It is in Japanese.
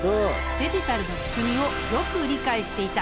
デジタルの仕組みをよく理解していた。